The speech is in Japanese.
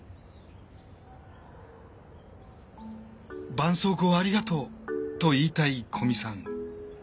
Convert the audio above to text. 「ばんそうこうありがとう」と言いたい古見さん。